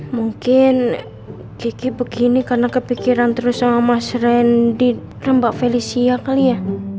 mungkin gigi begini karena kepikiran terus sama mas randy dan mbak felicia kali ya